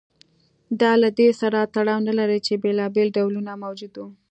دا له دې سره تړاو نه لري چې بېلابېل ډولونه موجود و